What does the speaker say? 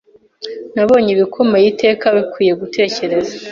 Nabonye ibikomeye iteka bikwiye gutekereza